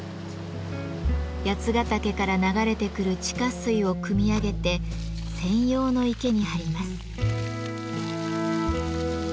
八ヶ岳から流れてくる地下水をくみ上げて専用の池に張ります。